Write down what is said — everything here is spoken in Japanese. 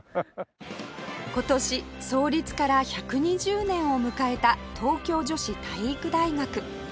今年創立から１２０年を迎えた東京女子体育大学